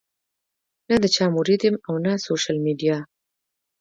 نۀ د چا مريد يم او نۀ سوشل ميډيا